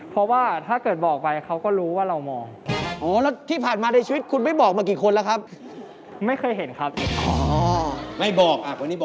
ไม่บอกอ่ะวันนี้บอกไม่บอก